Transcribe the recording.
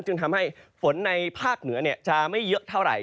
จึงทำให้ฝนในภาคเหนือจะไม่เยอะเท่าไหร่